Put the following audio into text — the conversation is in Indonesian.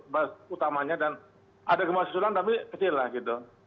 bahas utamanya dan ada gempa susulan tapi kecil lah gitu